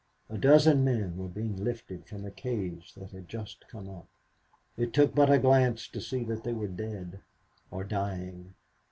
A dozen men were being lifted from a cage that had just come up. It took but a glance to see that they were dead or dying.